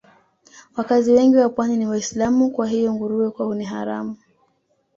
Wakazi wengi wa Pwani ni Waislamu kwa hiyo nguruwe kwao ni haramu